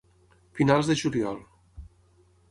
Finals de juliol.